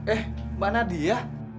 eh mbak nadia